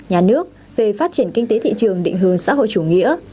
nhà nước về phát triển kinh tế thị trường định hướng xã hội chủ nghĩa